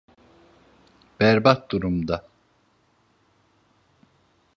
Berbat durumda.